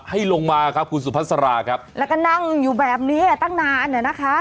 ให้ลงมาครับคุณสุพัสราครับแล้วก็นั่งอยู่แบบนี้ตั้งนานเนี่ยนะคะ